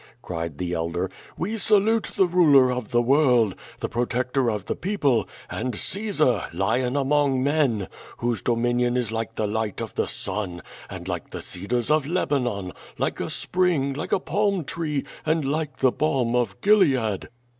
'' cried the elder. "We salute the ruler of the world, the protector of the people, and Caesar, lion among men, whose dominion is like the light of the sun, and like the cedars of Lebanon, like a spring, like a palm tree, and like the balm of Gilead!''